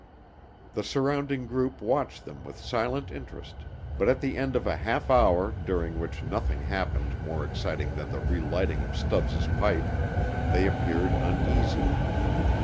The surrounding group watched them with silent interest, but at the end of a half hour during which nothing happened more exciting than the relighting of Stubbs' pipe, they appeared uneasy.